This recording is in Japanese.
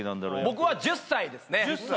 僕は１０歳ですね１０歳？